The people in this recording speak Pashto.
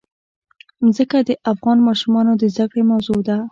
ځمکه د افغان ماشومانو د زده کړې موضوع ده.